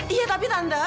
iya tapi tante